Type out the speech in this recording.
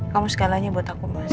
kamu segalanya buat aku mas